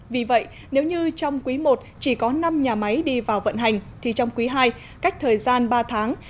vì vậy nếu như trong quý i chỉ có năm nhà máy đi vào vận hành thì trong quý ii cách thời gian ba tháng